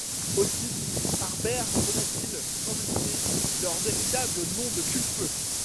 Aussi, Harbert leur donna-t-il, sans hésiter, leur véritable nom de « culpeux ».